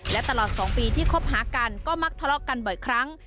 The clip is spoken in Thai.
และตลอด๒ปีที่คบหากันก็มักทะเลาะกันบ่อยครั้ง